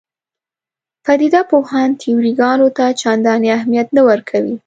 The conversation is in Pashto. پدیده پوهان تیوري ګانو ته چندانې اهمیت نه ورکوي.